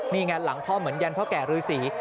นี่ไงหลังพ่อเหมือนยันพ่อแก่ฤษี